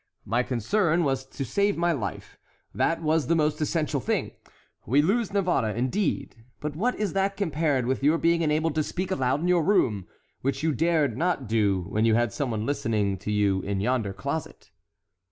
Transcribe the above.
My concern was to save my life: that was the most essential thing. We lose Navarre, indeed; but what is that compared with your being enabled to speak aloud in your room, which you dared not do when you had some one listening to you in yonder closet?"